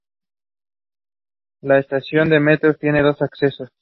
La estación de metro tiene dos accesos.